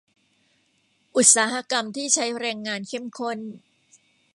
อุตสาหกรรมที่ใช้แรงงานเข้มข้น